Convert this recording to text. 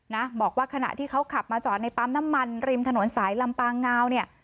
นะบอกว่าขณะที่เขาขับมาจอดในปั๊มน้ำมันริมถนนสายลำปางงาวเนี่ย